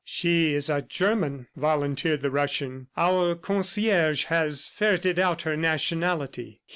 "She is a German," volunteered the Russian. "Our concierge has ferreted out her nationality.